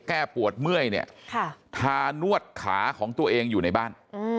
แก้ปวดเมื่อยเนี่ยทานวดขาของตัวเองอยู่ในบ้าน